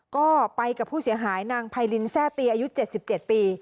ก็ไปกับผู้เสียหายนางไพรินแร่ตีอายุ๗๗ปี